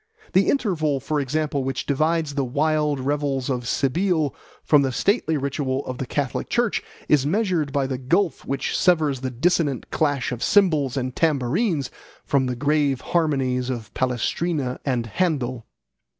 The interval, for example, which divides the wild revels of Cybele from the stately ritual of the Catholic Church is measured by the gulf which severs the dissonant clash of cymbals and tambourines from the grave harmonies of Palestrina and Handel.